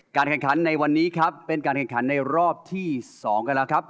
แข่งขันในวันนี้ครับเป็นการแข่งขันในรอบที่๒กันแล้วครับ